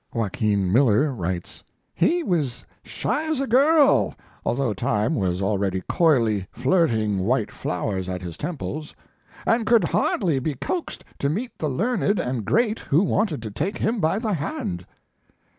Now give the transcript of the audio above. Joaquin Miller writes: He was shy as a girl, although time was already coyly flirting white flowers at his temples, and could hardly be coaxed to meet the learned and great who wanted to take him by the hand.